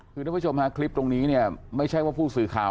คือท่านผู้ชมฮะคลิปตรงนี้เนี่ยไม่ใช่ว่าผู้สื่อข่าว